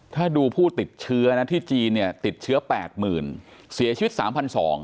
ถ้าดูผู้ติดเชื้อที่จีนติดเชื้อ๘๐๐๐๐ศพเสียชีวิต๓๒๐๐ศพ